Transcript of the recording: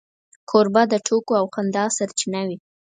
کوربه د ټوکو او خندا سرچینه وي.